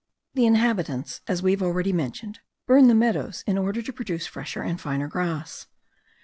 The inhabitants, as we have already mentioned, burn the meadows in order to produce fresher and finer grass.